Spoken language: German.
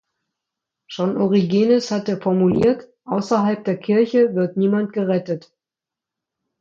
Schon Origenes hatte formuliert: „Außerhalb der Kirche wird niemand gerettet“.